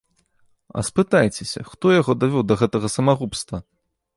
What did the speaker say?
А спытайцеся, хто яго давёў да гэтага самагубства?!